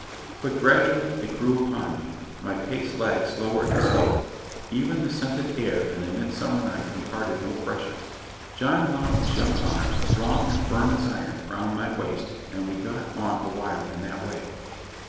But gradually it grew upon me; my pace lagged slower and slower even the scented air of the midsummer night imparted no freshness. John wound his young arm, strong and firm as iron, round my waist, and we got on awhile in that way.